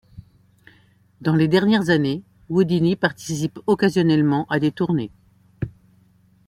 Dans les dernières années, Whodini participe occasionnellement à des tournées.